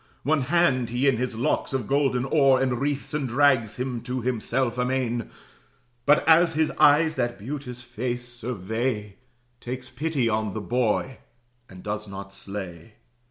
One hand he in his locks of golden ore Enwreaths, and drags him to himself amain; But as his eyes that beauteous face survey, Takes pity on the boy, and does not slay.